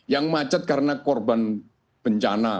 yang macet karena korban bencana